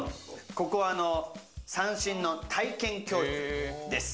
ここは三線の体験教室です。